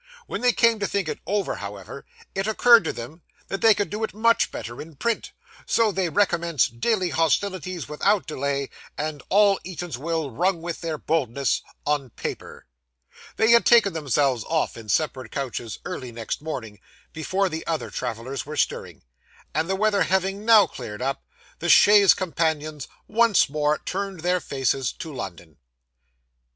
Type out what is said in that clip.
When they came to think it over, however, it occurred to them that they could do it much better in print, so they recommenced deadly hostilities without delay; and all Eatanswill rung with their boldness on paper. They had taken themselves off in separate coaches, early next morning, before the other travellers were stirring; and the weather having now cleared up, the chaise companions once more turned their faces to London.